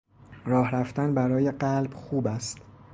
راه رفتن برای قلب خوب است.